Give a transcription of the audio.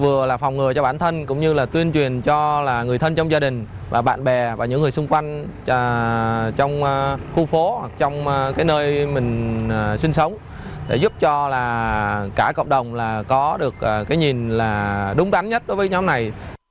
vừa là phòng ngừa cho bản thân cũng như là tuyên truyền cho người thân trong gia đình và bạn bè và những người xung quanh trong khu phố hoặc trong cái nơi mình sinh sống để giúp cho cả cộng đồng có được cái nhìn là đúng đắn nhất đối với nhóm này